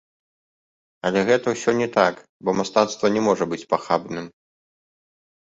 Але гэта ўсё не так, бо мастацтва не можа быць пахабным.